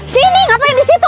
sini ngapain disitu